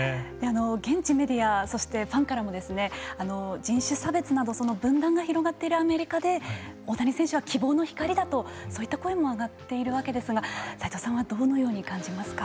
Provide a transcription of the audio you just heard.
現地メディアそしてファンからもですね人種差別など分断が広がってるアメリカで大谷選手は希望の光だとそういった声も上がっているわけですが斎藤さんはどのように感じますか。